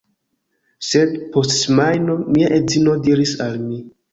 Sed, post semajno, mia edzino diris al mi: